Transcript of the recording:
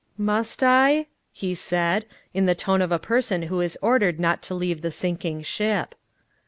"Must I?" he said, in the tone of a person who is ordered not to leave the sinking ship.